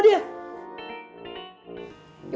ibu yakin kamu yang ngambil